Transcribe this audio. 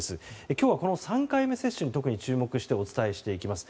今日はこの３回目接種に、特に注目してお伝えしていきます。